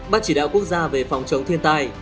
bác chỉ đạo quốc gia về phòng chống thiên tài